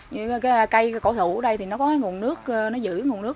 như cây cổ thụ ở đây thì nó có nguồn nước nó giữ nguồn nước